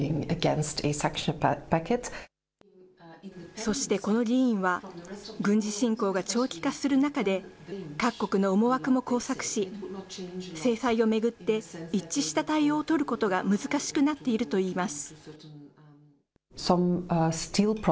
そしてこの議員は、軍事侵攻が長期化する中で、各国の思惑も交錯し、制裁を巡って一致した対応を取ることが難しくなっているといいます。